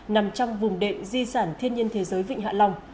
nằm trong vùng đệm di sản thiên nhiên thế giới vịnh hạ long